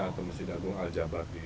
atau masjid agung al jabbar di